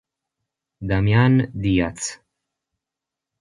Damián Díaz